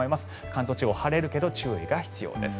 関東地方晴れるけど注意が必要です。